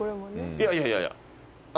いやいやいやいやあのね